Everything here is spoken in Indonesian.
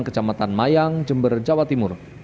kecamatan mayang jember jawa timur